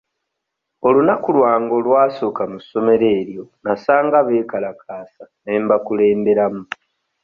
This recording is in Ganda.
Olunaku lwange olw'asooka mu ssomero eryo nasanga beekalakasa ne mbakulemberamu.